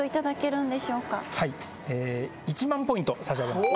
１万ポイント差し上げます。